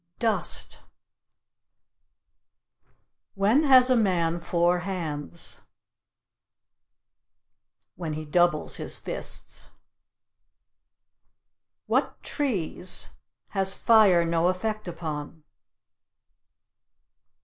Dust. When has a man four hands? When he doubles his fists. What trees has fire no effect upon?